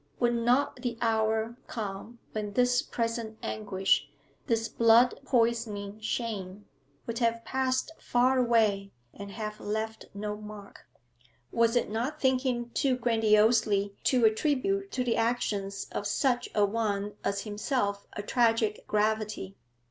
Would not the hour come when this present anguish, this blood poisoning shame, would have passed far away and have left no mark? Was it not thinking too grandiosely to attribute to the actions of such a one as himself a tragic gravity?